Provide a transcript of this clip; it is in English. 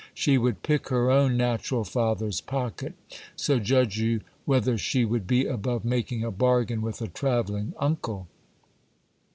She would pick her own natural father's pocket ; so judge you whether she would be above making a bargain with a travelling uncle.